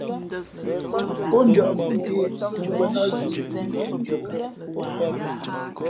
Pó njᾱʼ phʉ́ ntē tᾱ nkwēn nά zʉ̌ʼ ndʉ̄αkaʼ.